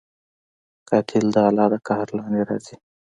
قاتل د الله د قهر لاندې راځي